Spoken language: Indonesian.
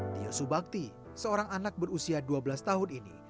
tio subakti seorang anak berusia dua belas tahun ini